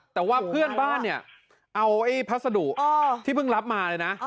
แต่ว่าเพื่อนบ้านเนี่ยเอาไอ้พัสดุที่เพิ่งรับมาเลยนะ